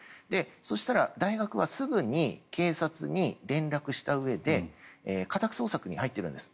そしたら、大学はすぐに警察に連絡したうえで家宅捜索に入ってるんです。